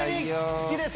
「好きです」